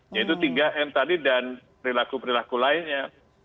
yaitu tiga m tadi dan perilaku perilaku lainnya